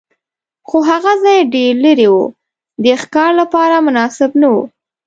خو هغه ځای ډېر لرې و، د ښکار لپاره مناسب نه و.